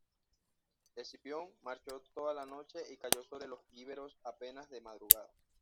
Escipión marchó toda la noche y cayó sobre los íberos apenas de madrugada.